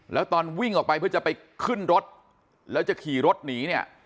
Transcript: แล้วตอนวิ่งออกไปเพื่อจะไปขึ้นรถแล้วจะขี่รถหนีเนี่ย